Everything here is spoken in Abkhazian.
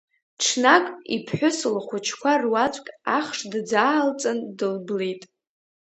Ҽнак иԥхәыс лхәыҷқәа руаӡәк ахш дӡаалҵан, дылблит.